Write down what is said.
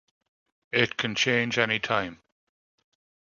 It can change any time.